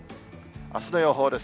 あすの予報です。